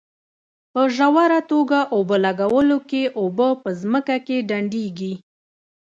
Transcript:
په ژوره توګه اوبه لګولو کې اوبه په ځمکه کې ډنډېږي.